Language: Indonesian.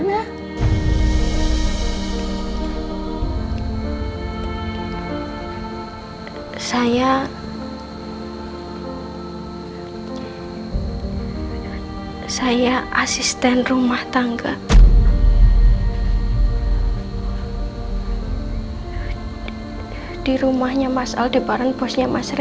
hanya saya saya asisten rumah tangga di rumah mas aldebaran bosnya mas randy